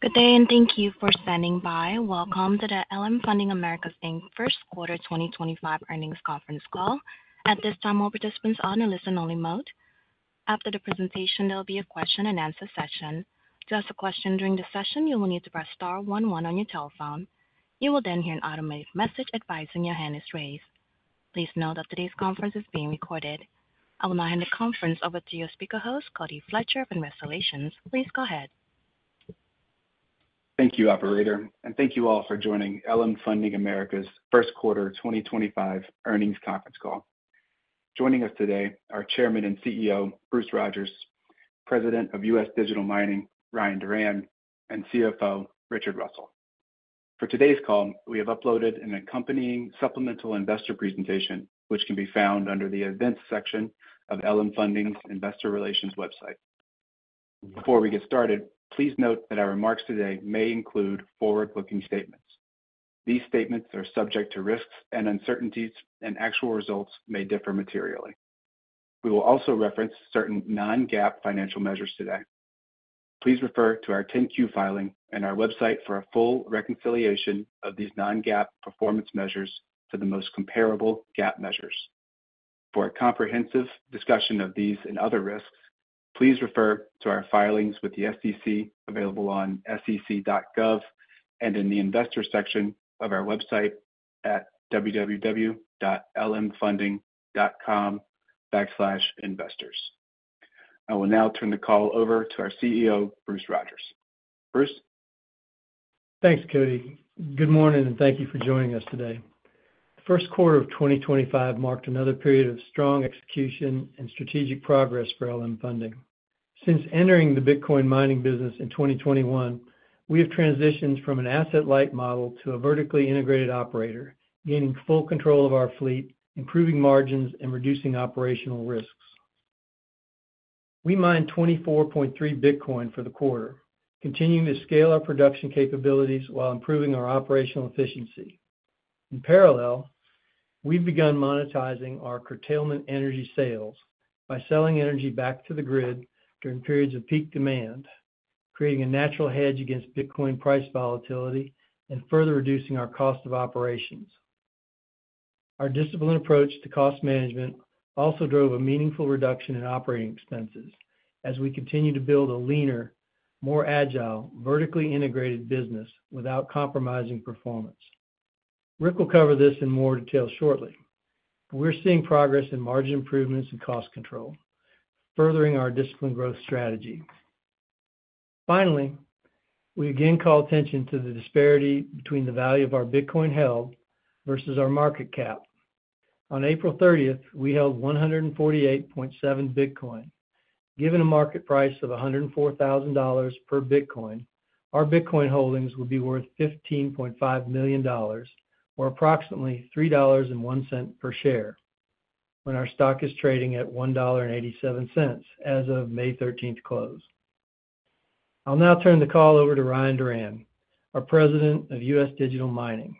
Good day, and thank you for standing by. Welcome to the LM Funding America's first quarter 2025 earnings conference call. At this time, all participants are on a listen-only mode. After the presentation, there will be a question-and-answer session. To ask a question during the session, you will need to press star 11 on your telephone. You will then hear an automated message advising your hand is raised. Please note that today's conference is being recorded. I will now hand the conference over to your speaker host, Cody Fletcher from Restellations. Please go ahead. Thank you, Operator, and thank you all for joining LM Funding America's first quarter 2025 earnings conference call. Joining us today are Chairman and CEO Bruce Rodgers, President of U.S. Digital Mining Ryan Duran, and CFO Richard Russell. For today's call, we have uploaded an accompanying supplemental investor presentation, which can be found under the events section of LM Funding's investor relations website. Before we get started, please note that our remarks today may include forward-looking statements. These statements are subject to risks and uncertainties, and actual results may differ materially. We will also reference certain non-GAAP financial measures today. Please refer to our 10-Q filing and our website for a full reconciliation of these non-GAAP performance measures to the most comparable GAAP measures. For a comprehensive discussion of these and other risks, please refer to our filings with the SEC available on sec.gov and in the investor section of our website at www.lmfunding.com/investors. I will now turn the call over to our CEO, Bruce Rodgers. Bruce. Thanks, Cody. Good morning, and thank you for joining us today. The first quarter of 2025 marked another period of strong execution and strategic progress for LM Funding. Since entering the Bitcoin mining business in 2021, we have transitioned from an asset-light model to a vertically integrated operator, gaining full control of our fleet, improving margins, and reducing operational risks. We mined 24.3 Bitcoin for the quarter, continuing to scale our production capabilities while improving our operational efficiency. In parallel, we've begun monetizing our curtailment energy sales by selling energy back to the grid during periods of peak demand, creating a natural hedge against Bitcoin price volatility and further reducing our cost of operations. Our disciplined approach to cost management also drove a meaningful reduction in operating expenses as we continue to build a leaner, more agile, vertically integrated business without compromising performance. Rick will cover this in more detail shortly. We're seeing progress in margin improvements and cost control, furthering our discipline growth strategy. Finally, we again call attention to the disparity between the value of our Bitcoin held versus our market cap. On April 30th, we held 148.7 Bitcoin. Given a market price of $104,000 per Bitcoin, our Bitcoin holdings would be worth $15.5 million, or approximately $3.01 per share when our stock is trading at $1.87 as of May 13th close. I'll now turn the call over to Ryan Duran, our President of U.S. Digital Mining,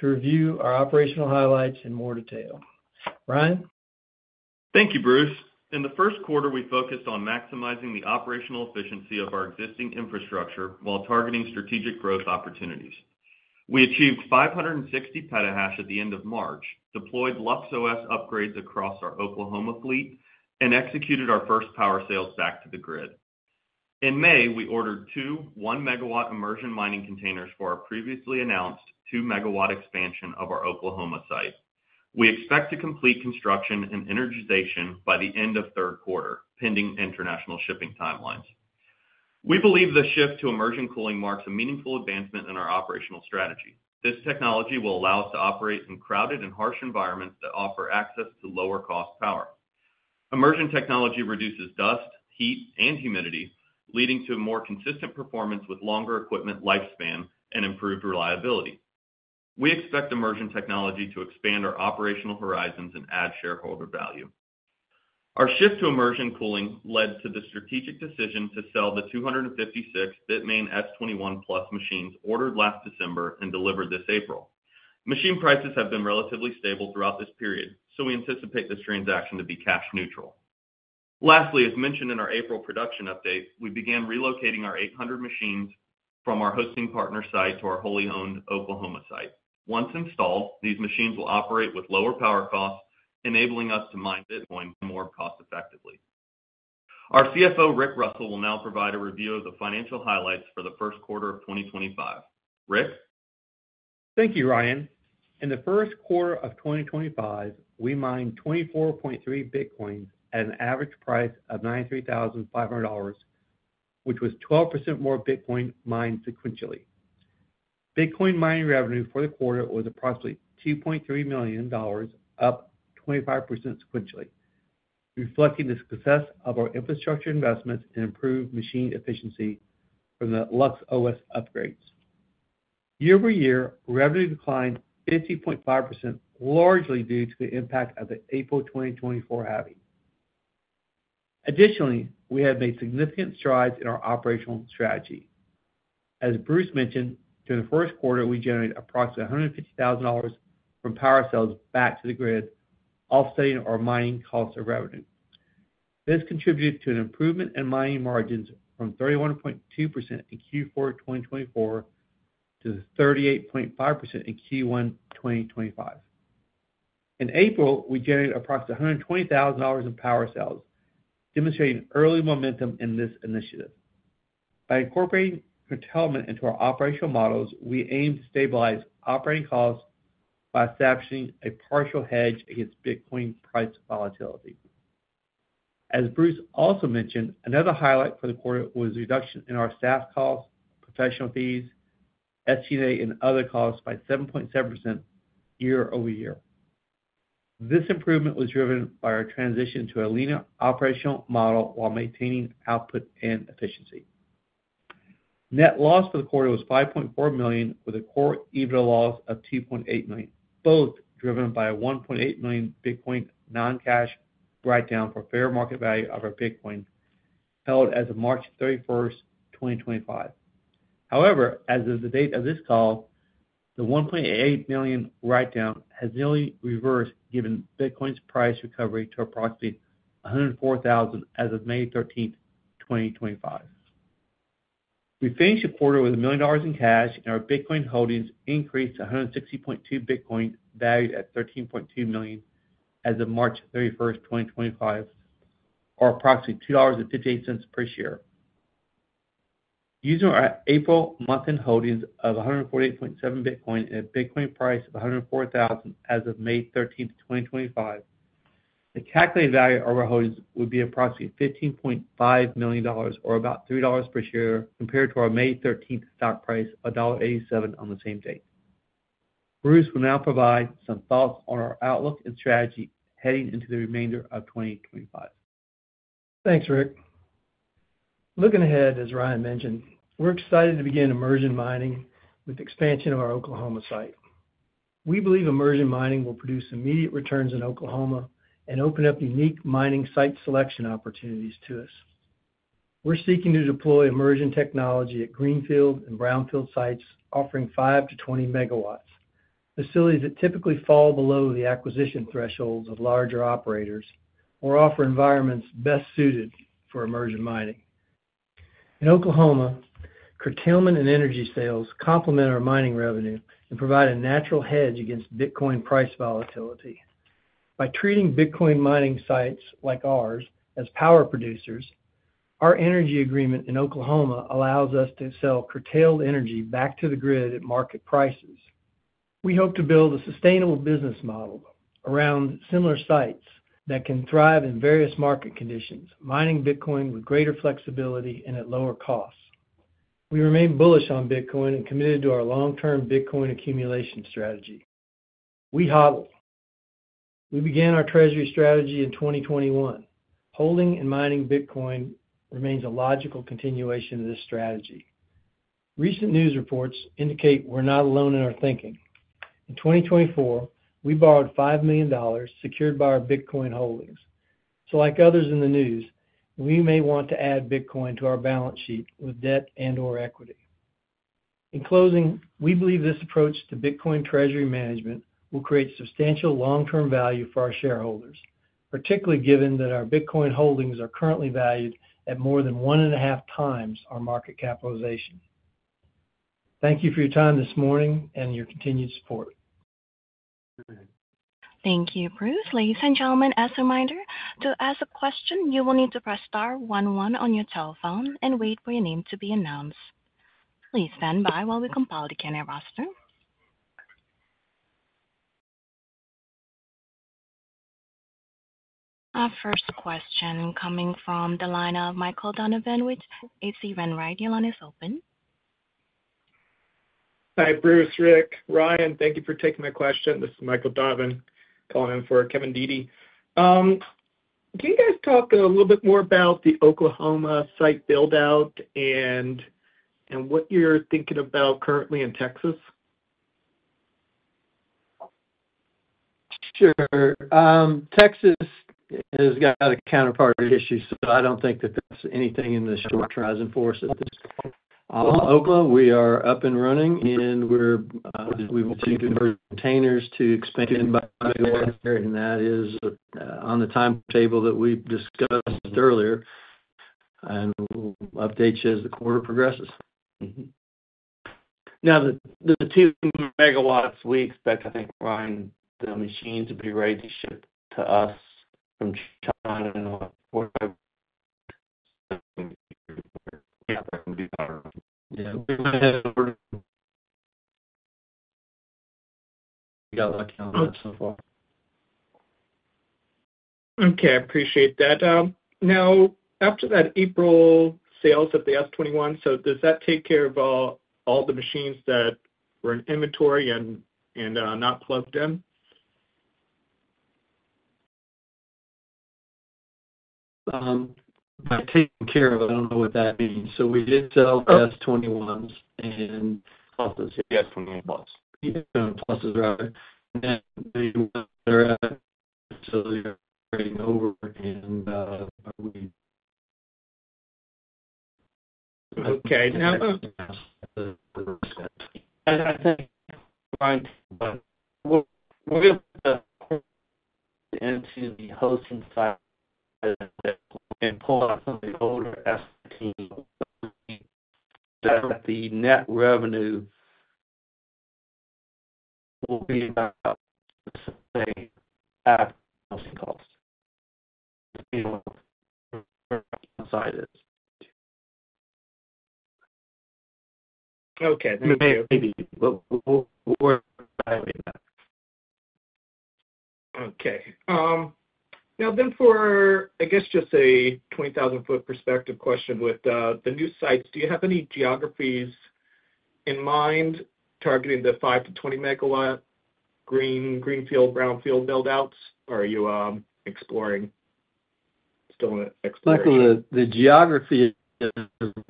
to review our operational highlights in more detail. Ryan? Thank you, Bruce. In the first quarter, we focused on maximizing the operational efficiency of our existing infrastructure while targeting strategic growth opportunities. We achieved 560 petahash at the end of March, deployed LuxOS upgrades across our Oklahoma fleet, and executed our first power sales back to the grid. In May, we ordered two one-megawatt immersion mining containers for our previously announced two-megawatt expansion of our Oklahoma site. We expect to complete construction and energization by the end of third quarter, pending international shipping timelines. We believe the shift to immersion cooling marks a meaningful advancement in our operational strategy. This technology will allow us to operate in crowded and harsh environments that offer access to lower-cost power. Immersion technology reduces dust, heat, and humidity, leading to more consistent performance with longer equipment lifespan and improved reliability. We expect immersion technology to expand our operational horizons and add shareholder value. Our shift to immersion cooling led to the strategic decision to sell the 256 Bitmain S21+ machines ordered last December and delivered this April. Machine prices have been relatively stable throughout this period, so we anticipate this transaction to be cash-neutral. Lastly, as mentioned in our April production update, we began relocating our 800 machines from our hosting partner site to our wholly owned Oklahoma site. Once installed, these machines will operate with lower power costs, enabling us to mine Bitcoin more cost-effectively. Our CFO, Rick Russell, will now provide a review of the financial highlights for the first quarter of 2025. Rick? Thank you, Ryan. In the first quarter of 2025, we mined 24.3 Bitcoins at an average price of $93,500, which was 12% more Bitcoin mined sequentially. Bitcoin mining revenue for the quarter was approximately $2.3 million, up 25% sequentially, reflecting the success of our infrastructure investments and improved machine efficiency from the LuxOS upgrades. Year-over-year, revenue declined 50.5%, largely due to the impact of the April 2024 havoc. Additionally, we have made significant strides in our operational strategy. As Bruce mentioned, during the first quarter, we generated approximately $150,000 from power sales back to the grid, offsetting our mining cost of revenue. This contributed to an improvement in mining margins from 31.2% in Q4 2024 to 38.5% in Q1 2025. In April, we generated approximately $120,000 in power sales, demonstrating early momentum in this initiative. By incorporating curtailment into our operational models, we aim to stabilize operating costs by establishing a partial hedge against Bitcoin price volatility. As Bruce also mentioned, another highlight for the quarter was the reduction in our staff costs, professional fees, SG&A, and other costs by 7.7% year-over-year. This improvement was driven by our transition to a leaner operational model while maintaining output and efficiency. Net loss for the quarter was $5.4 million, with a core EBITDA loss of $2.8 million, both driven by a $1.8 million Bitcoin non-cash write-down for fair market value of our Bitcoin held as of March 31st, 2024. However, as of the date of this call, the $1.8 million write-down has nearly reversed given Bitcoin's price recovery to approximately $104,000 as of May 13th, 2024. We finished the quarter with $1 million in cash, and our Bitcoin holdings increased to 160.2 Bitcoin valued at $13.2 million as of March 31st, 2025, or approximately $2.58 per share. Using our April month-end holdings of 148.7 Bitcoin and a Bitcoin price of $104,000 as of May 13th, 2025, the calculated value of our holdings would be approximately $15.5 million, or about $3 per share, compared to our May 13th stock price of $1.87 on the same date. Bruce will now provide some thoughts on our outlook and strategy heading into the remainder of 2025. Thanks, Rick. Looking ahead, as Ryan mentioned, we're excited to begin immersion mining with the expansion of our Oklahoma site. We believe immersion mining will produce immediate returns in Oklahoma and open up unique mining site selection opportunities to us. We're seeking to deploy immersion technology at Greenfield and Brownfield sites, offering 5-20 megawatts, facilities that typically fall below the acquisition thresholds of larger operators, or offer environments best suited for immersion mining. In Oklahoma, curtailment and energy sales complement our mining revenue and provide a natural hedge against Bitcoin price volatility. By treating Bitcoin mining sites like ours as power producers, our energy agreement in Oklahoma allows us to sell curtailed energy back to the grid at market prices. We hope to build a sustainable business model around similar sites that can thrive in various market conditions, mining Bitcoin with greater flexibility and at lower costs. We remain bullish on Bitcoin and committed to our long-term Bitcoin accumulation strategy. We began our treasury strategy in 2021. Holding and mining Bitcoin remains a logical continuation of this strategy. Recent news reports indicate we're not alone in our thinking. In 2024, we borrowed $5 million secured by our Bitcoin holdings. So, like others in the news, we may want to add Bitcoin to our balance sheet with debt and/or equity. In closing, we believe this approach to Bitcoin treasury management will create substantial long-term value for our shareholders, particularly given that our Bitcoin holdings are currently valued at more than one and a half times our market capitalization. Thank you for your time this morning and your continued support. Thank you, Bruce. Ladies and gentlemen, as a reminder, to ask a question, you will need to press star 11 on your telephone and wait for your name to be announced. Please stand by while we compile the candidate roster. Our first question coming from the line of Michael Donovan, from AC RunRide. Your line is open. Hi, Bruce, Rick, Ryan. Thank you for taking my question. This is Michael Donovan calling in for Kevin Deedy. Can you guys talk a little bit more about the Oklahoma site buildout and what you're thinking about currently in Texas? Sure. Texas has got a counterparty issue, so I don't think that that's anything in the short horizon for us at this point. Oklahoma, we are up and running, and we will continue to convert containers to expand by the weather, and that is on the timetable that we discussed earlier, and we'll update you as the quarter progresses. Now, the 2 megawatts, we expect, I think, Ryan, the machine to be ready to ship to us from Chattanooga. Yeah, we've got to work out so far. Okay, I appreciate that. Now, after that April sales at the S21, so does that take care of all the machines that were in inventory and not plugged in? By taking care of, I don't know what that means. So we did sell S21s and pluses. Yes, pluses. Pluses, rather. And then they're at facility over in. Okay. Now. I think, Ryan, but we'll get the quarter into the hosting side and pull out some of the older S13s. The net revenue will be about the same after the hosting cost. Okay. Maybe. Okay. Now, then for, I guess, just a 20,000-foot perspective question with the new sites, do you have any geographies in mind targeting the 5 megawatt-20 megawatt Greenfield, Brownfield buildouts, or are you exploring still exploring? Michael, the geography is looking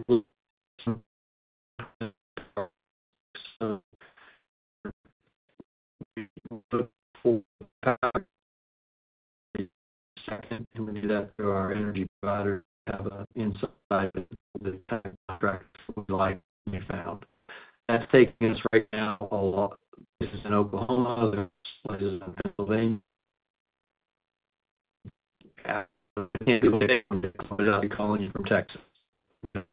for. Second, and we do that through our energy providers that have inside the contract like we found. That's taking us right now a lot. This is in Oklahoma. This is in Pennsylvania. I can't wait to call you from Texas.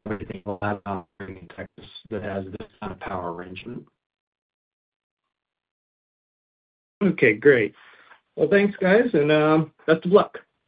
Everything we'll have out here in Texas that has this kind of power arrangement. Okay, great. Well, thanks, guys, and best of luck.